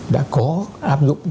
đã có áp dụng